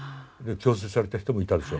強制された人もいたでしょう。